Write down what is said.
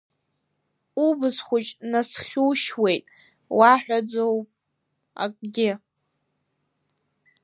Убыз хәыҷ насхьушьуеит, уаҳәаӡом акгьы.